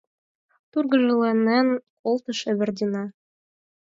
— тургыжланен колтыш Эвердина.